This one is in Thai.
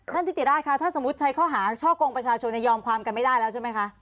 ทิติราชค่ะถ้าสมมุติใช้ข้อหาช่อกงประชาชนยอมความกันไม่ได้แล้วใช่ไหมคะ